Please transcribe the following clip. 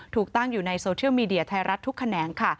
ถูกตั้งอยู่ในโซเชียลมีเดียไทยรัฐทุกแขนงค่ะ